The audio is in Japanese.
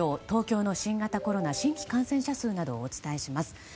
東京の新型コロナ新規感染者数などをお伝えします。